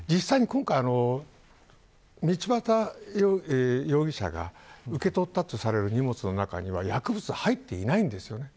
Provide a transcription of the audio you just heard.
実際に今回道端容疑者が受け取ったとされる荷物の中には薬物は入っていないんです。